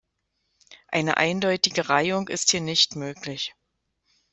Eine eindeutige Reihung ist hier nicht möglich.